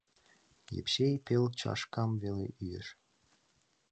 Епсей пел чашкам веле йӱэш.